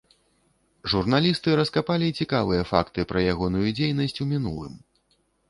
Журналісты раскапалі цікавыя факты пра ягоную дзейнасць у мінулым.